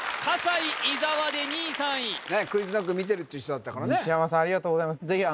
笠井伊沢で２位３位ＱｕｉｚＫｎｏｃｋ見てるっていう人だったからね西山さんありがとうございます